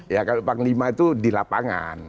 ya kalau panglima itu di lapangan